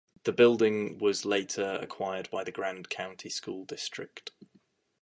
The building was later acquired by the Grand County School District.